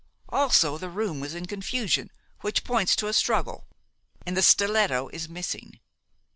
Also the room was in confusion, which points to a struggle, and the stiletto is missing.